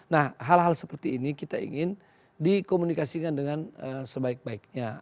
nah hal hal seperti ini kita ingin dikomunikasikan dengan sebaik baiknya